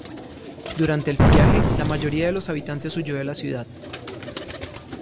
Durante el pillaje la mayoría de los habitantes huyó de la ciudad.